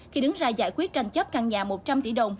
khi đứng ra giải quyết tranh chấp căn nhà một trăm linh tỷ đồng